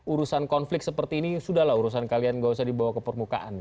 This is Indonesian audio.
urusan konflik seperti ini sudah lah urusan kalian tidak usah dibawa ke permukaan